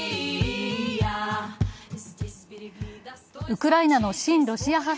ウクライナの親ロシア派